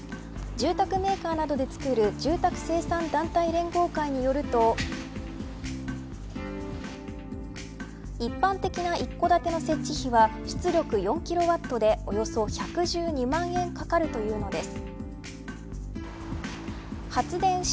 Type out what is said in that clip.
住宅メーカーなどで作る住宅生産団体連合会によると一般的な一戸建ての設置費用は１キロ、４キロワットでおよそ１１２万円かかるというのです。